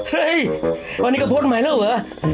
เฮ้ยวันนี้ก็โพสต์ใหม่แล้วเหรอ